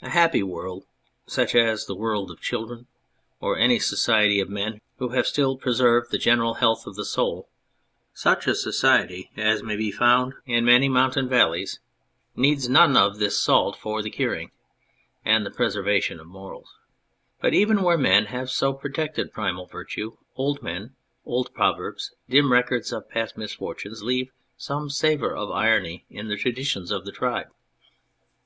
A happy world, such as the world of children, o any society of men who have still preserved the general health of the soul, such a society as may be found in many mountain valleys, needs none of thi 20 On Irony salt for the curing and the preservation of morals. But even where men have so protected primal virtue, old men, old proverbs, dim records of past misfor tunes leave some savour of irony in the traditions of the tribe.